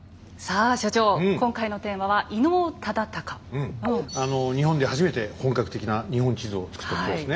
あの日本で初めて本格的な日本地図を作った人ですね。